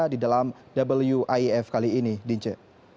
di dalam wif kali ini dince